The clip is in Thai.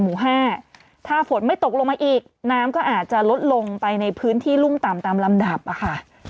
หมู่๕ถ้าฝนไม่ตกลงมาอีกน้ำก็อาจจะลดลงไปในพื้นที่รุ่มต่ำตามลำดับอะค่ะ